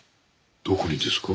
どこにですか？